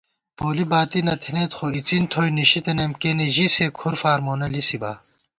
پولی باتی نہ تھنَئیت خو اِڅِن تھوئی نِشِتَنَئیم، کېنےژِی سے کھُرفار مونہ لِسِبا